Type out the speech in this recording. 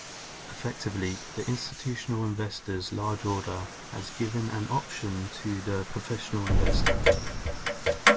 Effectively, the institutional investor's large order has given an option to the professional investor.